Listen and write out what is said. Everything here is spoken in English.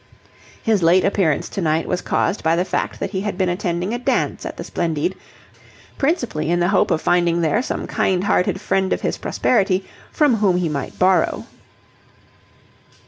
His late appearance to night was caused by the fact that he had been attending a dance at the Splendide, principally in the hope of finding there some kind hearted friend of his prosperity from whom he might borrow.